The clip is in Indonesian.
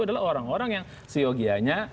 adalah orang orang yang seyogianya